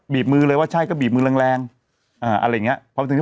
บีบมือเลยว่าใช่ก็บีบมือแรงอะไรอย่างนี้